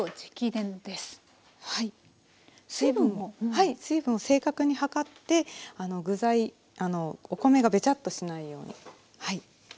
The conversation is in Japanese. はい水分を正確に量って具材お米がべちゃっとしないように。